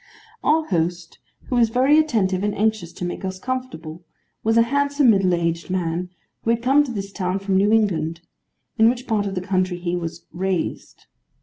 Our host, who was very attentive and anxious to make us comfortable, was a handsome middle aged man, who had come to this town from New England, in which part of the country he was 'raised.